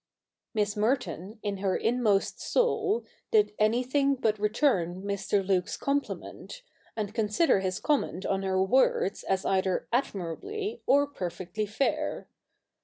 Miss Merton, in her inmost soul, did anything but return Mr Luke's compliment, and consider his comment on her words as either admirably or perfectly fair.